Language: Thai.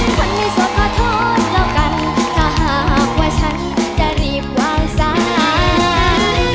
คนไม่สดขอโทษแล้วกันถ้าหากว่าฉันจะรีบวางสาย